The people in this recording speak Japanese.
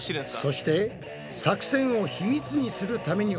そして作戦を秘密にするために置かれた壁。